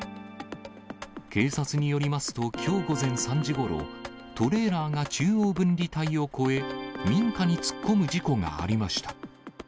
警察によりますと、きょう午前３時ごろ、トレーラーが中央分離帯を越え、民家に突っ込む事故がありました。